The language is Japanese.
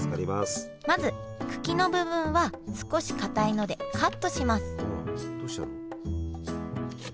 まず茎の部分は少しかたいのでカットします